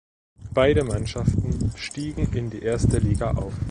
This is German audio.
Beide Mannschaften stiegen in die erste Liga auf.